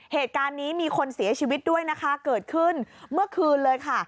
เหตุการณ์นี้มีคนเสียชีวิตด้วยนะคะเกิดขึ้นเมื่อคืนเลยค่ะ